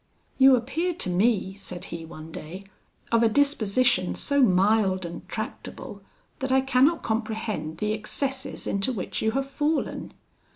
"'You appear to me,' said he one day, 'of a disposition so mild and tractable, that I cannot comprehend the excesses into which you have fallen.